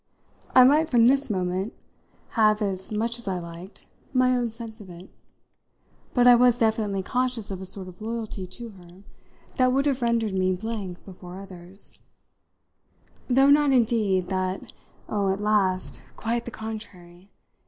I might from this moment have, as much as I liked, my own sense of it, but I was definitely conscious of a sort of loyalty to her that would have rendered me blank before others: though not indeed that oh, at last, quite the contrary!